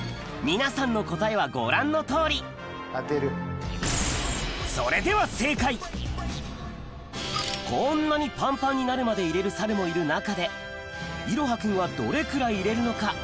皆さんの答えはご覧のとおりそれではこんなにパンパンになるまで入れるサルもいる中でいろはくんはどれくらい入れるのか？